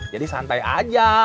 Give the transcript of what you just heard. jadi santai aja